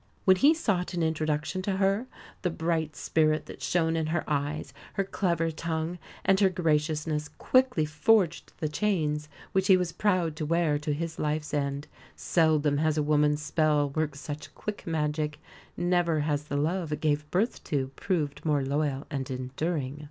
When he sought an introduction to her, the bright spirit that shone in her eyes, her clever tongue, and her graciousness quickly forged the chains which he was proud to wear to his life's end. Seldom has a woman's spell worked such quick magic never has the love it gave birth to proved more loyal and enduring.